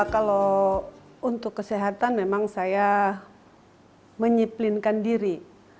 kalau untuk kesehatan memang saya menyiplinkan diri